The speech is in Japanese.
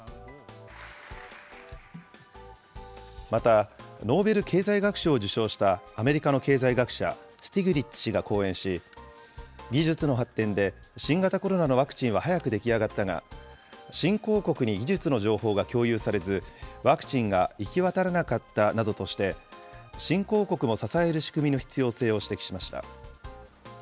また、ノーベル経済学賞を受賞したアメリカの経済学者、スティグリッツ氏が講演し、技術の発展で、新型コロナのワクチンは早く出来上がったが、新興国に技術の情報が共有されず、ワクチンが行き渡らなかったなどとして、新興国も支える仕組みの必要性を指摘しました。